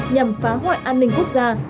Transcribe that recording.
nhằm phá hoại an ninh quốc gia